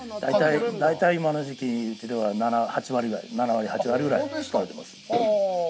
大体、今の時期では７割８割ぐらい取れてます。